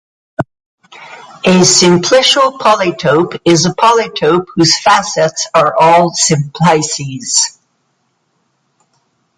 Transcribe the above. A simplicial polytope is a polytope whose facets are all simplices.